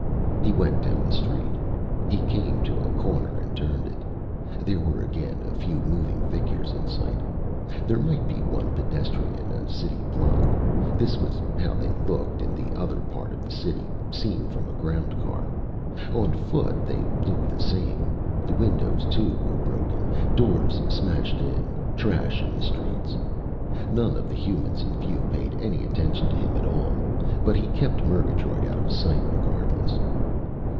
He went down the street. He came to a corner and turned it. There were again a few moving figures in sight. There might be one pedestrian in a city block. This was how they'd looked in the other part of the city, seen from a ground car. On foot, they looked the same. Windows, too, were broken. Doors smashed in. Trash on the streets.... None of the humans in view paid any attention to him at all, but he kept Murgatroyd out of sight regardless.